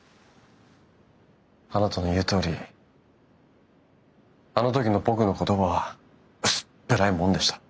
あなたの言うとおりあの時の僕の言葉は薄っぺらいもんでした。